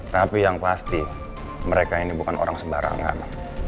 tapi yang pasti mereka ini bukan orang sebarangan